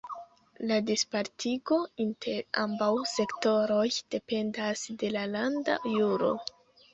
La dispartigo inter ambaŭ sektoroj dependas de la landa juro.